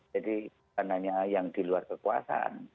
jadi kan hanya yang di luar kekuasaan